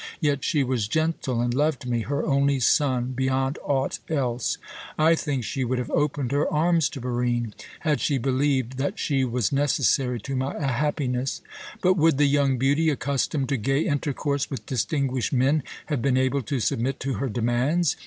Yet she was gentle, and loved me, her only son, beyond aught else. I think she would have opened her arms to Barine, had she believed that she was necessary to my happiness. But would the young beauty, accustomed to gay intercourse with distinguished men, have been able to submit to her demands?